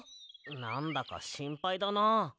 なんだかしんぱいだな。